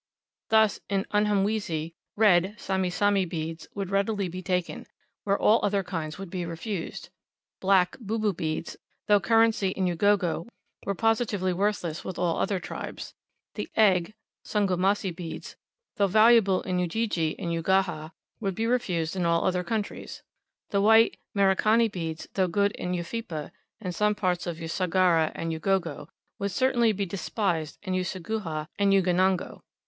Thus, in Unyamwezi, red (sami sami) beads would readily be taken, where all other kinds would be refused; black (bubu) beads, though currency in Ugogo, were positively worthless with all other tribes; the egg (sungomazzi) beads, though valuable in Ujiji and Uguhha, would be refused in all other countries; the white (Merikani) beads though good in Ufipa, and some parts of Usagara and Ugogo, would certainly be despised in Useguhha and Ukonongo.